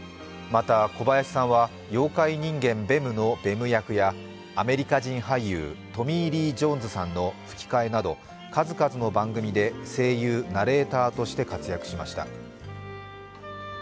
また小林さんは「妖怪人間ベム」のベム役やアメリカ人俳優、トミー・リー・ジョーンズさんの吹き替えなど数々の番組で声優、ナレーターとして活躍しました。